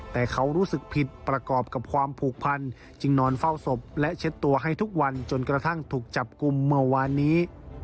แต่เขารู้สึกผิดประกอบกับความผูกพันจึงนอนเฝ้าศพและเช็ดตัวให้ทุกวันจนกระทั่งถูกจับกลุ่มเมื่อวานนี้